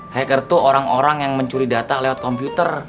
hacker itu orang orang yang mencuri data lewat komputer